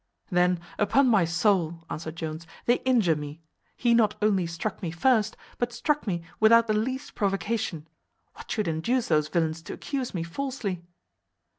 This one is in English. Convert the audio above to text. "Then, upon my soul," answered Jones, "they injure me. He not only struck me first, but struck me without the least provocation. What should induce those villains to accuse me falsely?"